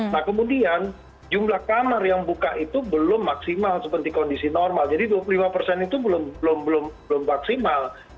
nah kemudian jumlah kamar yang buka itu belum maksimal seperti kondisi normal jadi dua puluh lima persen itu belum maksimal